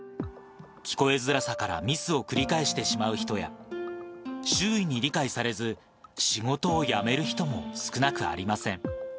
聞こえづらさからミスを繰り返してしまう人や、周囲に理解されず、仕事を辞める人も少なくありません。